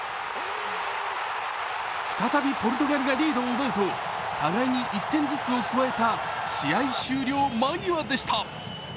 再びポルトガルがリードを奪うと互いに１点ずつを加えた試合終了間際でした。